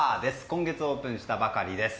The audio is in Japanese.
今月オープンしたばかりです。